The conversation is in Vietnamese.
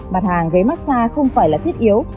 mặt hàng ghế mát xa không phải là thiết yếu